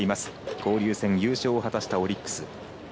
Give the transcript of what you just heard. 交流戦優勝を果たしたオリックス。